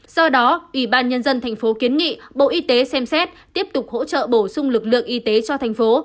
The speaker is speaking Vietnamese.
do đó ủy ban nhân dân thành phố kiến nghị bộ y tế xem xét tiếp tục hỗ trợ bổ sung lực lượng y tế cho thành phố